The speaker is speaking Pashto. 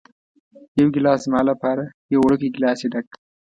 یو ګېلاس زما لپاره، یو وړوکی ګېلاس یې ډک کړ.